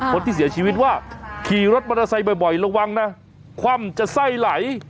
คนที่เสียชีวิตว่าขี่รถมอเตอร์ไซค์บ่อยระวังนะคว่ำจะไส้ไหล